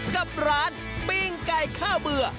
กับร้านปิ้งไก่ข้าวเบื่อ